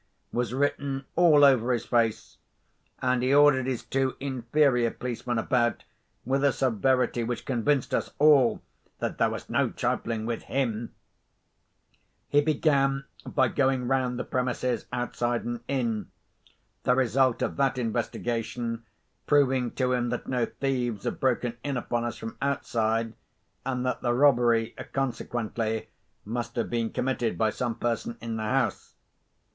was written all over his face; and he ordered his two inferior police men about with a severity which convinced us all that there was no trifling with him. He began by going round the premises, outside and in; the result of that investigation proving to him that no thieves had broken in upon us from outside, and that the robbery, consequently, must have been committed by some person in the house.